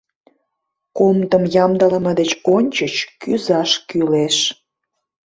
Комдым ямдылыме деч ончыч кӱзаш кӱлеш.